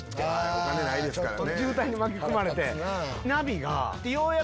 お金ないですからね。